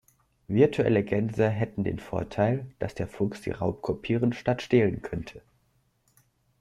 Virtuelle Gänse hätten den Vorteil, dass der Fuchs sie raubkopieren statt stehlen könnte.